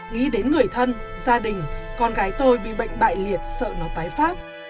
nghĩ đến người thân gia đình con gái tôi bị bệnh bại liệt sợ nó tái phát